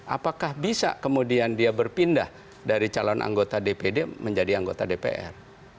apakah bisa kemudian dia berpindah dari calon anggota dpd menjadi anggota dpr